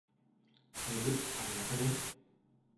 水、足りなくね？